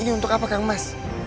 ini untuk apa kang emas